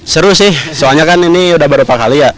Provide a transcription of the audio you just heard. seru sih soalnya kan ini sudah beberapa kali ya